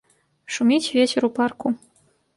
Шуміць вецер у парку.